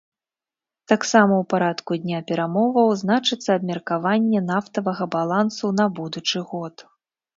Таксама ў парадку дня перамоваў значыцца абмеркаванне нафтавага балансу на будучы год.